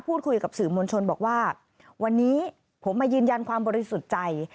พูดคุยกับสื่อมวลชนบอกว่าวันนี้ผมมายืนยันความบริสุทธิ์ใจ